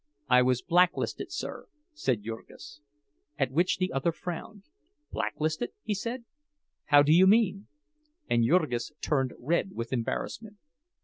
"I was blacklisted, sir," said Jurgis. At which the other frowned. "Blacklisted?" he said. "How do you mean?" And Jurgis turned red with embarrassment.